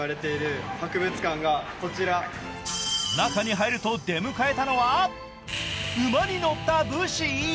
中に入ると出迎えたのは馬に乗った武士。